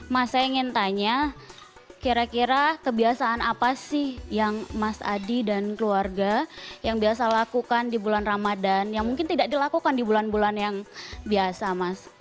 mas saya ingin tanya kira kira kebiasaan apa sih yang mas adi dan keluarga yang biasa lakukan di bulan ramadan yang mungkin tidak dilakukan di bulan bulan yang biasa mas